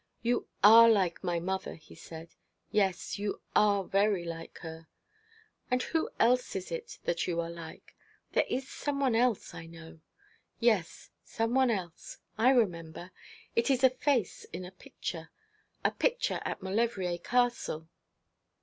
'You are like my mother,' he said. 'Yes, you are very like her. And who else is it that you are like? There is some one else, I know. Yes, some one else! I remember! It is a face in a picture a picture at Maulevrier Castle.'